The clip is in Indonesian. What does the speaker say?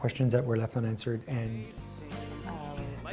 pertanyaan yang terlepas dan tidak dijawab